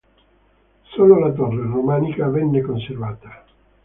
Solo la torre, romanica venne conservata.